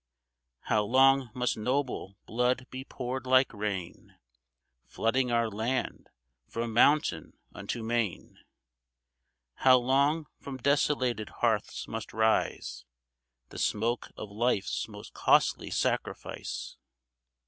How long must noble blood be poured like rain, Flooding our land from mountain unto main ? How long from desolated hearths must rise The smoke of life's most costly sacrifice ?